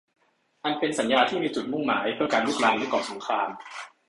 อันเป็นสัญญาที่มีจุดมุ่งหมายเพื่อการรุกรานและก่อสงคราม